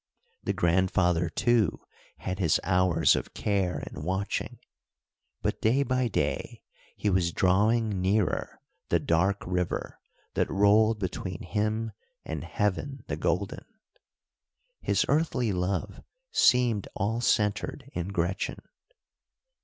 The grandfather, too, had his hours of care and watching. But day by day he was drawing nearer the dark river that rolled between him and heaven the golden. His earthly love seemed all centered in Gretchen.